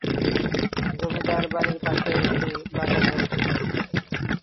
জমিদার বাড়ির পাশে একটি বাজার রয়েছে।